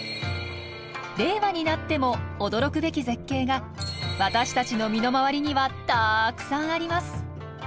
令和になっても驚くべき絶景が私たちの身の回りにはたくさんあります。